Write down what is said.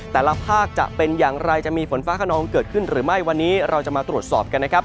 แต่ละภาคจะเป็นอย่างไรจะมีฝนฟ้าขนองเกิดขึ้นหรือไม่วันนี้เราจะมาตรวจสอบกันนะครับ